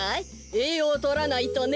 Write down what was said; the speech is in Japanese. えいようをとらないとね。